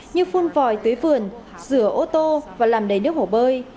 như phun vòi tưới vườn rửa ô tô và làm đầy nước hổ bơi